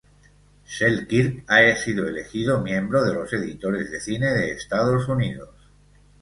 Selkirk ha sido elegido miembro de los Editores de Cine de Estados Unidos.